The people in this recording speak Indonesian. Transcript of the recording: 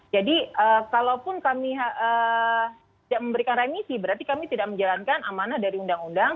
jadi kalaupun kami tidak memberikan remisi berarti kami tidak menjalankan amanah dari undang undang